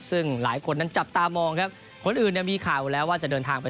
ซึ่งหลายคนนั้นจับตามองครับคนอื่นเนี่ยมีข่าวอยู่แล้วว่าจะเดินทางไป